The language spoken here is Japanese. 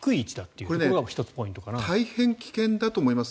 これ大変危険だと思います